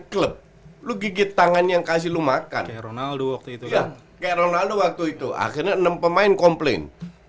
klub lu gigit tangan yang kasih lu makan kayak ronaldo waktu itu akhirnya enam pemain komplain